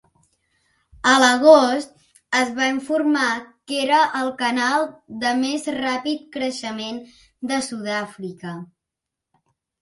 A l'agost, es va informar que era el canal de més ràpid creixement de Sud-àfrica.